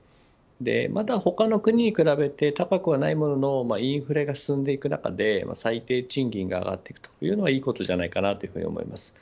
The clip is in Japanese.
まだ他の国に比べて高くはないもののインフレが進んでいく中で最低賃金が上がっていくというのはいいことだと思います。